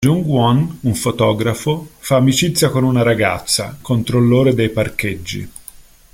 Jung-won, un fotografo, fa amicizia con una ragazza, controllore dei parcheggi.